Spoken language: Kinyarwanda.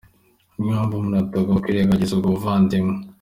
Ni yo mpamvu umuntu atagomba kwirengagiza ubwo buvandimwe.